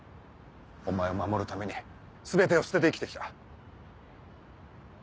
お前を守るために全てを捨てて生きて来た。